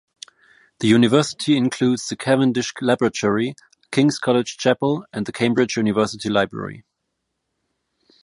The university includes the Cavendish Laboratory, King's College Chapel, and the Cambridge University Library.